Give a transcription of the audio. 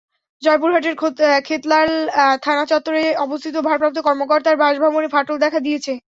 জয়পুরহাটের ক্ষেতলাল থানা চত্বরে অবস্থিত ভারপ্রাপ্ত কর্মকর্তার বাসভবনে ফাটল দেখা দিয়েছে।